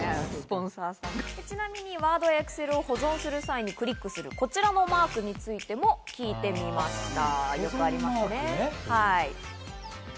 ちなみにワードやエクセルを保存する際にクリックする、こちらのマークについても聞いてみました。